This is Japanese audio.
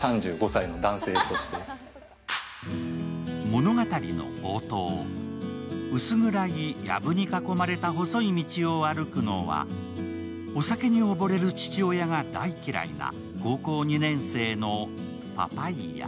物語の冒頭、薄暗いやぶに囲まれた細い道を歩くのはお酒に溺れる父親が大嫌いな高校２年生のパパイヤ。